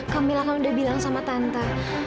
kamilah kamu udah bilang sama tante